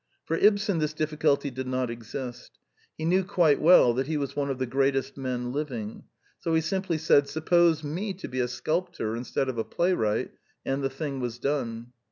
For Ibsen this difficulty did not exist. He knew quite well that he was one of the greatest men living; so he simply said' ^^ Suppose me to be a sculptor instead of a playwright,'' and the thing was done.